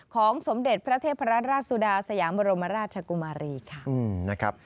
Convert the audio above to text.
ของสมเด็จพระเทพรรดราชสุดาสยามรมราชกุมารีค่ะ